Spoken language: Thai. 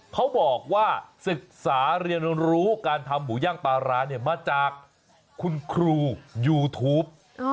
เขาบอกว่าศึกษาเรียนรู้การทำหมูย่างปลาร้าเนี่ยมาจากคุณครูยูทูป